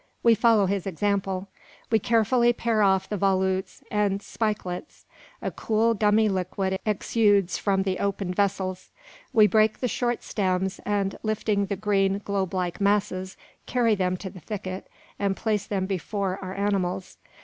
We follow his example. We carefully pare off the volutes and spikelets. A cool, gummy liquid exudes from the opened vessels. We break the short stems, and lifting the green, globe like masses, carry them to the thicket, and place them before our animals.